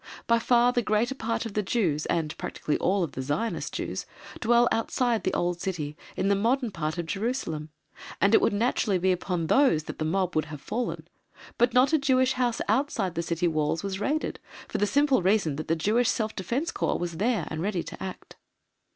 By far the greater part of the Jews, and practically all the Zionist Jews, dwell outside the old City in the modern part of Jerusalem, and it would naturally be upon these that the mob would have fallen, but not a Jewish house outside the City walls was raided, for the simple reason that the Jewish Self Defence Corps was there and ready to act.